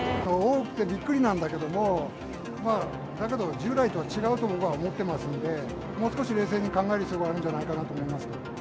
多くてびっくりなんだけれども、だけど従来と違うと僕は思っていますので、もう少し冷静に考える必要があるんじゃないかなと思います。